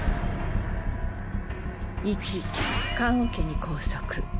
１ 棺桶に拘束。